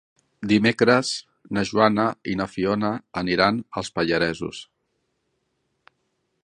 Dimecres na Joana i na Fiona aniran als Pallaresos.